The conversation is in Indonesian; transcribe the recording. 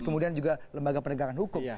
kemudian juga lembaga penegakan hukum